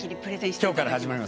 きょうから始まります。